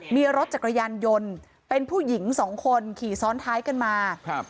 มีรถจักรยานยนต์เป็นผู้หญิงสองคนขี่ซ้อนท้ายกันมาครับ